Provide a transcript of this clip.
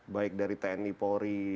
baik dari tni polri